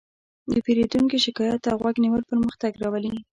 د پیرودونکي شکایت ته غوږ نیول پرمختګ راولي.